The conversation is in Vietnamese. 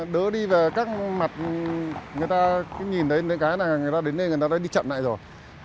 đỡ đi về các mặt người ta cứ nhìn thấy cái là người ta đến đây người ta đã đi chậm lại rồi